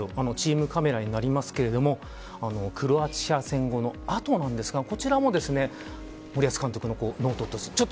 チームカメラになりますけれどもクロアチア戦後なんですがこちらも森保監督のノートの様子。